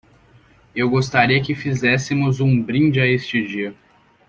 Eu gostaria que fizéssemos um brinde a este dia